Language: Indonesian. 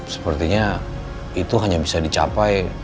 sepertinya itu hanya bisa dicapai